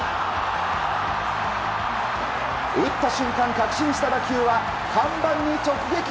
打った瞬間、確信した打球は看板に直撃。